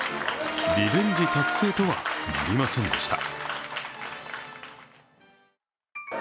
リベンジ達成とはなりませんでした。